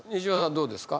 どうですか？